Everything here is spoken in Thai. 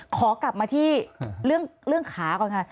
ขอกลับมาที่เรื่องขาก่อนค่ะ